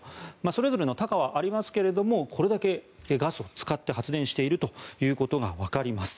それぞれの多寡はありますがこれだけガスを使って発電しているということがわかります。